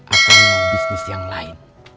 akang mau bisnis yang lain